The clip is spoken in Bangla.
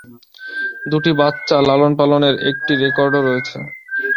দুটি বাচ্চা লালনপালনের একটি রেকর্ডও রয়েছে।